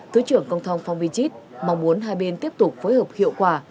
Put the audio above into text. thứ trưởng công thông phong vin chít mong muốn hai bên tiếp tục phối hợp hiệu quả